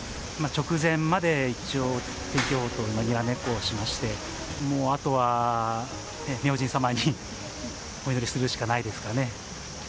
直前まで一応、天気予報とにらめっこをしまして、もうあとは明神様にお祈りするしかないですかね。